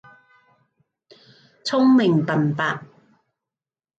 聰明笨伯